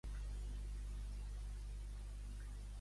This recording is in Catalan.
Pots esborrar l'alarma que creada per diumenge a les dotze de la nit?